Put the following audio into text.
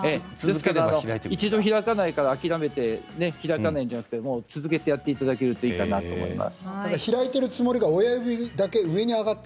一度、開かないから諦めて開かない、じゃなくて続けてやっていただけるといいかなと思います。